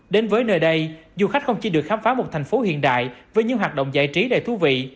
đến với nơi đây du khách không chỉ được khám phá một thành phố hiện đại với những hoạt động giải trí đầy thú vị